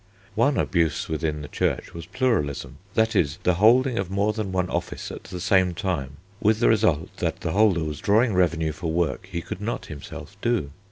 One abuse within the Church was pluralism, that is, the holding of more than one office at the same time with the result that the holder was drawing revenue for work he could not himself do.